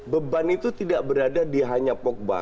beban itu tidak berada di hanya pogba